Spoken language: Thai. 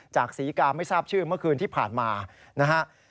ศรีกาไม่ทราบชื่อเมื่อคืนที่ผ่านมานะฮะ